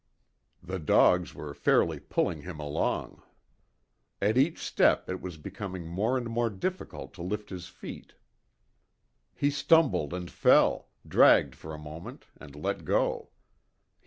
The dogs were fairly pulling him along. At each step it was becoming more and more difficult to lift his feet. He stumbled and fell, dragged for a moment, and let go.